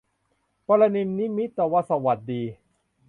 ปรนิมมิตวสวัตดี